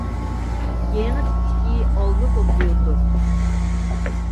يېڭى تىپتىكى ئالما كومپيۇتېر.